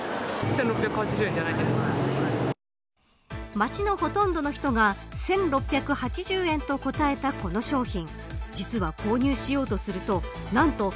街のほとんどの人が１６８０円と答えたこの商品。